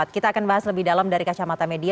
kita akan bahas lebih dalam dari kacamata media